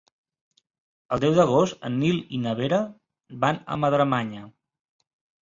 El deu d'agost en Nil i na Vera van a Madremanya.